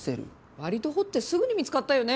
割と掘ってすぐに見つかったよね？